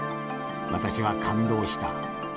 私は感動した。